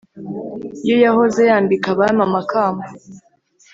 yo yahoze yambika abami amakamba?